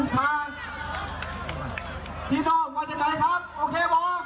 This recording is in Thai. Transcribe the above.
ใช่ค่ะ